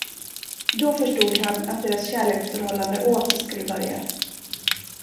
Då förstod han, att deras kärleksförhållande åter skulle börja.